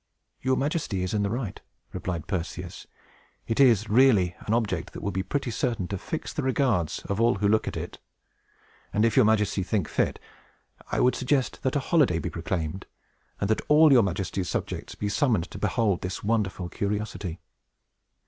"Your Majesty is in the right," replied Perseus. "It is really an object that will be pretty certain to fix the regards of all who look at it. And, if your Majesty think fit, I would suggest that a holiday be proclaimed, and that all your Majesty's subjects be summoned to behold this wonderful curiosity.